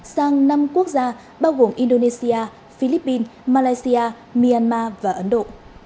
sang năm quốc gia bao gồm indonesia philippines malaysia myanmar và ấn độ